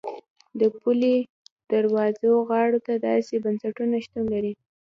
د پولې دواړو غاړو ته داسې بنسټونه شتون لري.